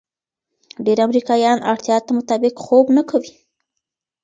ډېر امریکایان اړتیا ته مطابق خوب نه کوي.